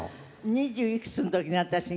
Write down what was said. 二十いくつの時ね私が。